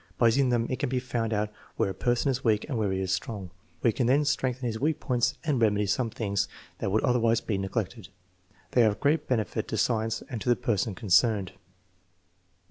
By using them it can be found out where a person is weak and where he is strong. We can then strengthen his weak points and remedy some things that would otherwise be neglected. They are of great benefit to science and to the person concerned.